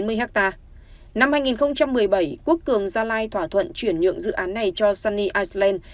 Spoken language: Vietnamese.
năm hai nghìn một mươi bảy quốc cường gia lai thỏa thuận chuyển nhượng dự án này cho sunny iceland